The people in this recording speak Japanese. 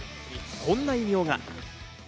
こんな異名が。